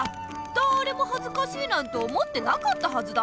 だれもはずかしいなんて思ってなかったはずだ！